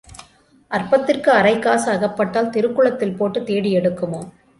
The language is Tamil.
அற்பத்திற்கு அரைக்காசு அகப்பட்டால் திருக்குளத்தில் போட்டுத் தேடி எடுக்குமாம்.